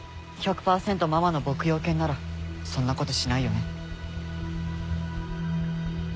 １００％ママの牧羊犬ならそんなことしないよね。